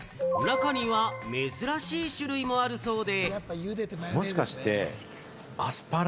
中には珍しい種類もあるそうで。